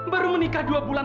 baru menikah dua bulan